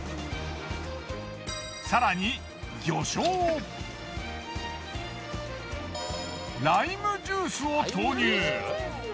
さらにライムジュースを投入。